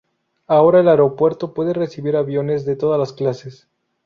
Ahora el aeropuerto puede recibir aviones de todas las clases.